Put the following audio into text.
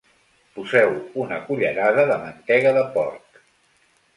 Poseu una cullerada de mantega de porc.